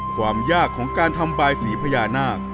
ความยากของการทำบายสีพญานาค